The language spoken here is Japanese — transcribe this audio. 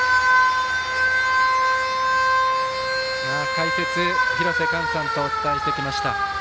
解説、廣瀬寛さんとお伝えしてきました。